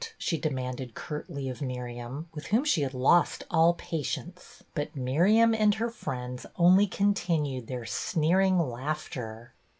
she demanded curtly of Miriam, with whom she had lost all patience ; but Miriam and her friends only continued their sneering laughter.